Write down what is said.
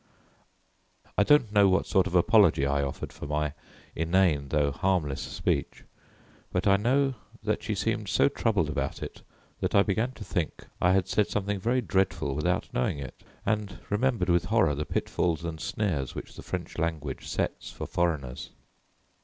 I don't know what sort of an apology I offered for my inane, though harmless speech, but I know that she seemed so troubled about it that I began to think I had said something very dreadful without knowing it, and remembered with horror the pitfalls and snares which the French language sets for foreigners.